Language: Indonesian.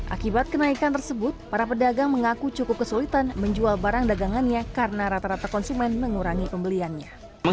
akibat kenaikan tersebut para pedagang mengaku cukup kesulitan menjual barang dagangannya karena rata rata konsumen mengurangi pembeliannya